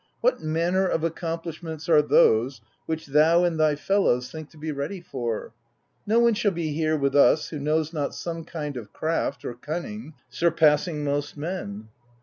What manner of accomplishments are those, which thou and thy fellows think to be ready for? No one shall be here with us who knows not some kind of craft or cunning surpassing most men.'